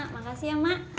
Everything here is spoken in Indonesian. makasih ya emak